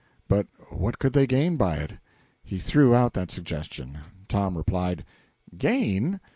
But what could they gain by it? He threw out that suggestion. Tom replied: "Gain?